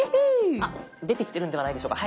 あっ出てきてるんではないでしょうか。